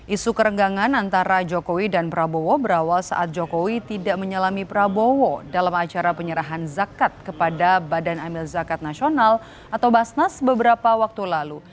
isu kerenggangan antara jokowi dan prabowo berawal saat jokowi tidak menyalami prabowo dalam acara penyerahan zakat kepada badan amil zakat nasional atau basnas beberapa waktu lalu